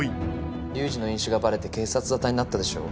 龍二の飲酒がバレて警察沙汰になったでしょ？